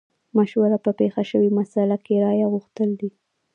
مشوره په پېښه شوې مسئله کې رايه غوښتل دي.